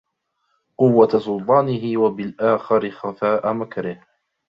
قُوَّةَ سُلْطَانِهِ وَبِالْآخَرِ خَفَاءَ مَكْرِهِ